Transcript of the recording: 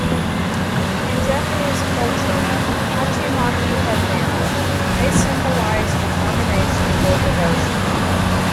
In Japanese culture, hachimaki headbands may symbolise determination or devotion.